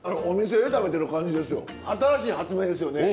お店で食べてる感じですよ。